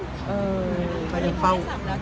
เออไปด้วยเฝ้า